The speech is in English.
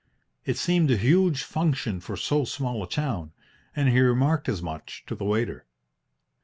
It seemed a huge function for so small a town, and he remarked as much to the waiter.